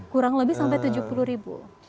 kurang lebih sampai tujuh puluh ribu